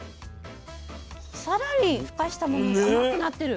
更にふかしたものより甘くなってる。